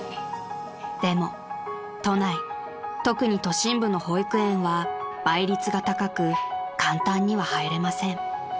［でも都内特に都心部の保育園は倍率が高く簡単には入れません］